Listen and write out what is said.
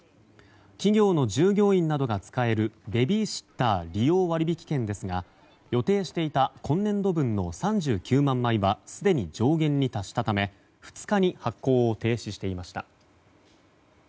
企業の従業員などが使えるベビーシッター利用割引券ですが予定していた今年度分の３９万枚はすでに上限に達したため２日に発行を停止していました。